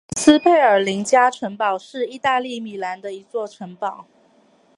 斯佩尔林加城堡是意大利米兰的一座城堡。